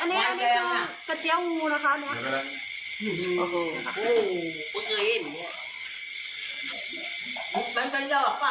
นี่อันนี้ก็เกลี้ยวงูนะคะนี่ไง